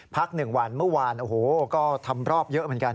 ๑วันเมื่อวานโอ้โหก็ทำรอบเยอะเหมือนกัน